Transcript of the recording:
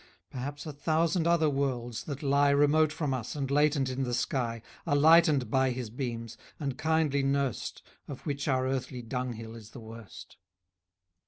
Perhaps a thousand other worlds, that lie Remote from us, and latent in the sky, Are lightened by his beams, and kindly nurst, Of which our earthly dunghill is the worst.